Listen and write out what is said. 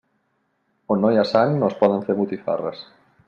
On no hi ha sang, no es poden fer botifarres.